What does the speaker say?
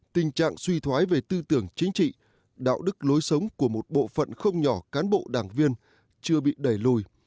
tình trạng suy thoái về tư tưởng chính trị đạo đức lối sống của một bộ phận không nhỏ cán bộ đảng viên chưa bị đẩy lùi